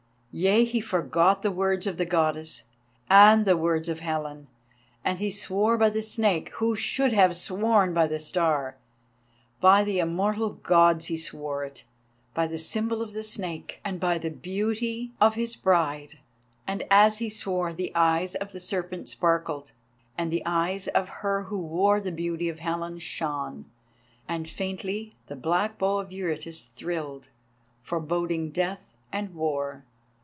Yea, he forgot the words of the Goddess, and the words of Helen, and he swore by the Snake who should have sworn by the Star. By the immortal Gods he swore it, by the Symbol of the Snake, and by the Beauty of his Bride. And as he swore the eyes of the Serpent sparkled, and the eyes of her who wore the beauty of Helen shone, and faintly the black bow of Eurytus thrilled, forboding Death and War.